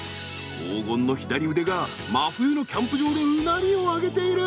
黄金の左腕が真冬のキャンプ場でうなりを上げている！